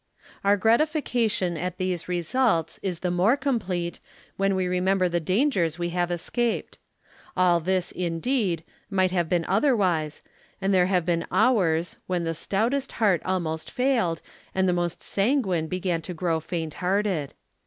Our gratification at these results is the more complete, when we remember the dangers we have escaped. All this, indeed, might have been otherwise, and there have been hours, when the stoutest heart almost failed, and the most sanguine began to grow faint hearted.